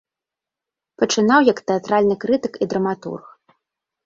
Пачынаў як тэатральны крытык і драматург.